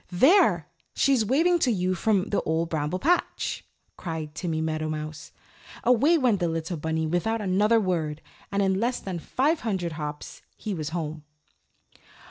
"There! She's waving to you from the Old Bramble Patch," cried Timmy Meadowmouse. Away went the little bunny without another word and in less than five hundred hops he was home.